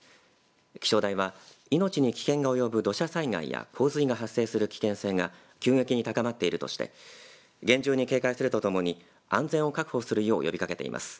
気象台は命に危険が及ぶ土砂災害や洪水が発生する危険性が急激に高まっているとして厳重に警戒するとともに安全を確保するよう呼びかけています。